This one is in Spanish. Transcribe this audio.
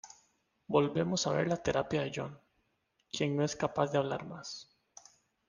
Volvemos a ver la terapia de John, quien no es capaz de hablar más.